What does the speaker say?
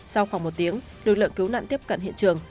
sau khoảng một tiếng lực lượng cứu nạn tiếp cận hiện trường